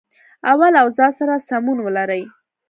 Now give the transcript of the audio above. او اوضاع سره سمون ولري